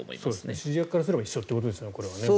指示役からすれば一緒ということですね。